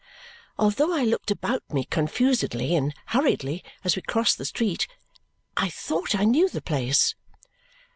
Although I looked about me confusedly and hurriedly as we crossed the street, I thought I knew the place.